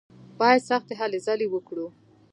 بايد سختې هلې ځلې وکړو.